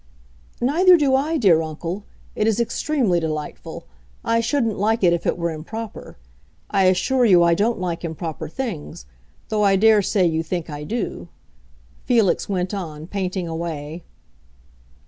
"Neither do I, dear uncle. It is extremely delightful; I shouldn't like it if it were improper. I assure you I don't like improper things; though I dare say you think I do," Felix went on, painting away.